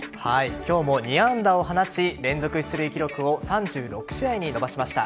今日も２安打を放ち連続出塁記録を３６試合に伸ばしました。